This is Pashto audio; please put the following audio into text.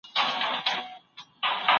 یو مي زړه نه دی چي تا باندي فِدا دی